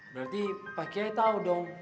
berarti pak kiai tau dong